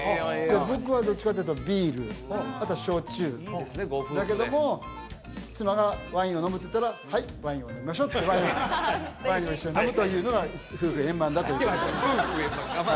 僕はどっちかというとビールあとは焼酎だけども妻が「ワインを飲む」って言ったら「はいワインを飲みましょう」とワインをワインを一緒に飲むというのが夫婦円満だということで夫婦円満